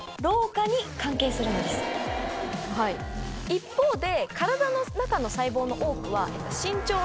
一方で。